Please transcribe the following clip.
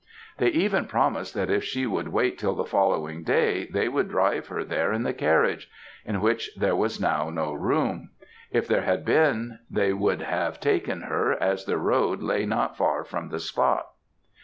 They even promised that if she would wait till the following day they would drive her there in the carriage, in which there was now no room; if there had been they would have taken her, as their road lay not far from the spot.